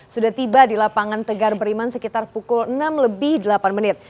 sudah tiba di lapangan tegar beriman sekitar pukul enam lebih delapan menit